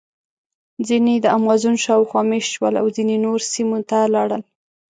ځینې د امازون شاوخوا مېشت شول او ځینې نورو سیمو ته لاړل.